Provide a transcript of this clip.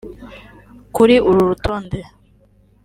Kuri uru rutonde